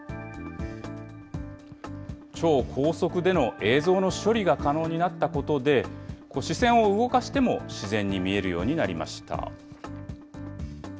超高速での映像の処理が可能になったことで、視線を動かしても、自然に見えるようになりました。